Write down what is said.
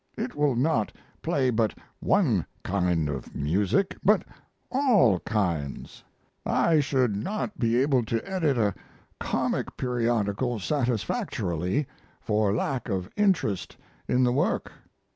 It will not play but one kind of music, but all kinds. I should not be able to edit a comic periodical satisfactorily, for lack of interest in the work.